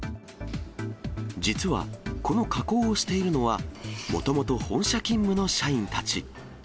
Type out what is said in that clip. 実は、この加工をしているのは、もともと本社勤務の社員たち。